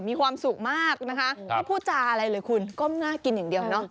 มีความสุขมากนะคะไม่พูดจาอะไรเลยคุณก้มหน้ากินอย่างเดียวเนาะ